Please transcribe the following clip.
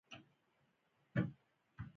مسکین د هغو نښتو په باب ښه معلومات ورکړي.